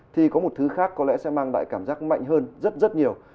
thì có một thứ khác có lẽ sẽ mang lại cảm giác mạnh hơn rất rất nhiều